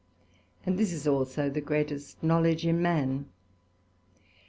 And this is also the greatest knowledge in man.